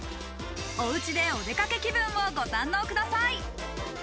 お家でお出かけ気分をご堪能ください。